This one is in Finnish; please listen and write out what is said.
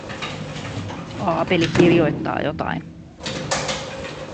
Aapeli kirjoittaa jotain.